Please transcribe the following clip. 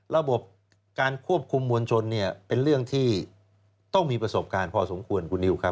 ระบบการควบคุมมวลชนเป็นเรื่องที่ต้องมีประสบการณ์พอสมควร